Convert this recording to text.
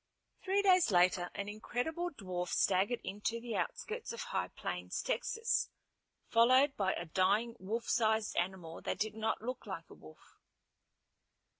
_" Three days later an incredible dwarf staggered into the outskirts of High Plains, Texas, followed by a dying wolf sized animal that did not look like a wolf.